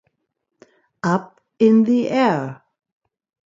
Up in the air!